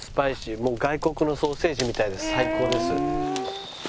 もう外国のソーセージみたいで最高です。